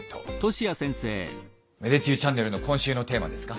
芽出中チャンネルの今週のテーマですか？